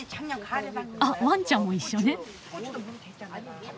あっワンちゃんも一緒ね。